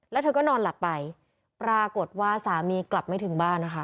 แล้วเธอก็นอนหลับไปปรากฏว่าสามีกลับไม่ถึงบ้านนะคะ